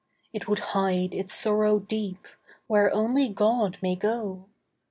It would hide its sorrow deep, Where only God may go.